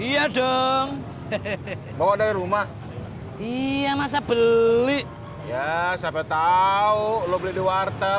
iya dong bawa dari rumah iya masa beli ya siapa tahu lo beli warteg